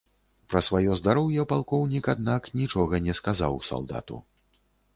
Пра сваё здароўе палкоўнік, аднак, нічога не сказаў салдату.